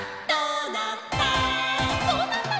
「どうなった」